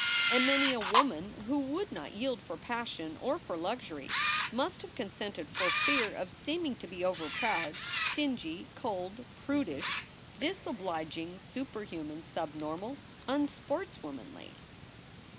And many a woman who would not yield for passion or for luxury must have consented for fear of seeming to be overproud, stingy, cold, prudish, disobliging, superhuman, subnormal, unsportswomanly.